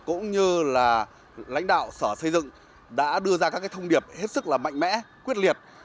cũng như là lãnh đạo sở xây dựng đã đưa ra các thông điệp hết sức là mạnh mẽ quyết liệt